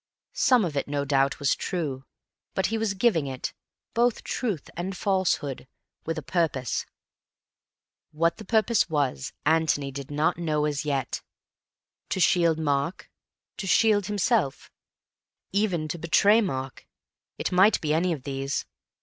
Some of it no doubt was true; but he was giving it, both truth and falsehood, with a purpose. What the purpose was Antony did not know as yet—to shield Mark, to shield himself—even to betray Mark—it might be any of these.